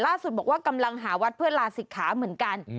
ล่าสุดบอกว่ากำลังหาวัดเพื่อลาศิกขาเหมือนกัน